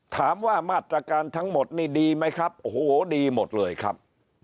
ถามว่ามาตรการทั้งหมดนี่ดีไหมครับโอ้โหดีหมดเลยครับ